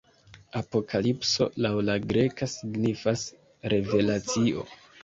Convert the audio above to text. Apokalipso, laŭ la greka, signifas "Revelacio".